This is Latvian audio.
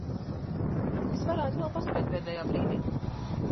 Es varētu vēl paspēt pēdējā brīdī.